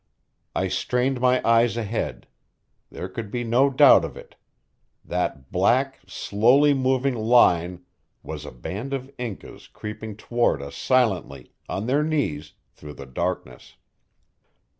I strained my eyes ahead; there could be no doubt of it; that black, slowly moving line was a band of Incas creeping toward us silently, on their knees, through the darkness.